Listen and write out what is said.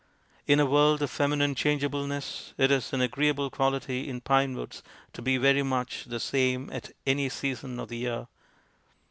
In a world of feminine changeableness it is an agreeable quality in pine woods to be very much the same at any season of the year.